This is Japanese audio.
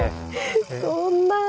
そんなあ。